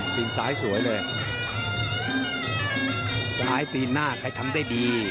ตีนซ้ายสวยเลย